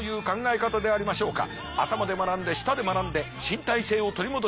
頭で学んで舌で学んで身体性を取り戻していく。